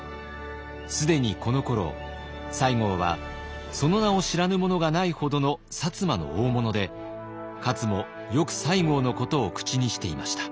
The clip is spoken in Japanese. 既にこのころ西郷はその名を知らぬ者がないほどの摩の大物で勝もよく西郷のことを口にしていました。